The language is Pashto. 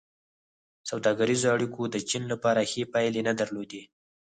سوداګریزو اړیکو د چین لپاره ښې پایلې نه درلودې.